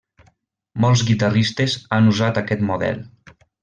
Molts guitarristes han usat aquest model.